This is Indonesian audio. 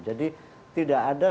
jadi tidak ada